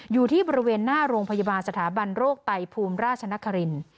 อยู่ที่บริเวณหน้าโรงพยาบาลสถาบันโรคไตภูมิราชนครินทร์